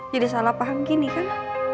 jadi salah paham gini kan